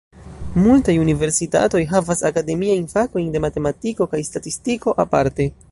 Multaj universitatoj havas akademiajn fakojn de matematiko kaj statistiko aparte.